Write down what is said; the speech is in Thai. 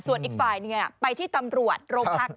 ส่วนอีกฝ่ายไปที่ตำรวจโรงพักษณ์ค่ะ